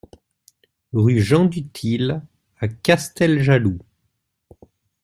Rue Jean Duthil à Casteljaloux